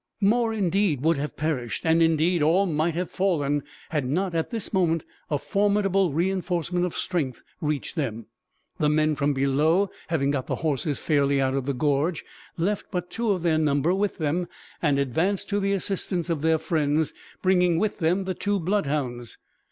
More, indeed, would have perished; and indeed, all might have fallen had not, at this moment, a formidable reinforcement of strength reached them. The men from below, having got the horses fairly out of the gorge, left but two of their number with them, and advanced to the assistance of their friends, bringing with them the two bloodhounds.